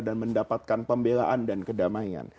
dan mendapatkan pembelaan dan kedamaian